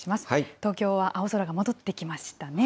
東京は青空が戻ってきましたね。